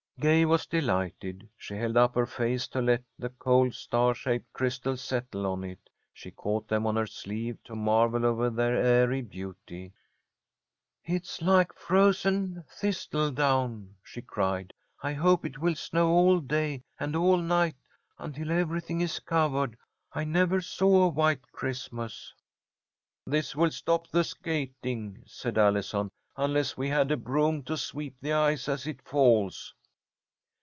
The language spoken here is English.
Gay was delighted. She held up her face to let the cold, star shaped crystals settle on it. She caught them on her sleeve to marvel over their airy beauty. "It's like frozen thistle down!" she cried. "I hope it will snow all day and all night until everything is covered. I never saw a white Christmas." "This will stop the skating," said Allison, "unless we had a broom to sweep the ice as it falls."